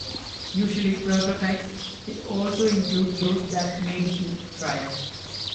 Usually prototypes, it also includes those that made it to trial.